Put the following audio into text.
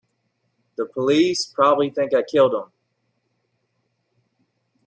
The police probably think I killed him.